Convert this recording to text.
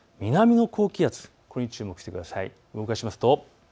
南の高気圧に注目してください。